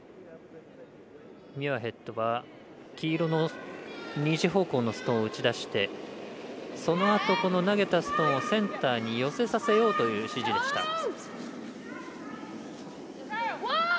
ミュアヘッドは、黄色の２時方向のストーンを打ち出してそのあと、投げたストーンをセンターに寄せさせようという指示でした。